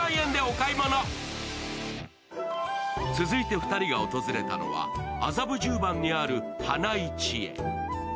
続いて２人が訪れたのは麻布十番にある花一会。